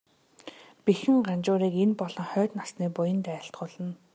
Бэхэн Ганжуурыг энэ болон хойд насны буянд айлтгуулна.